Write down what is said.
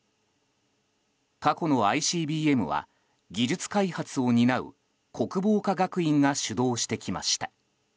過去のＩＣＢＭは技術開発を担う国防科学院が主導してきました。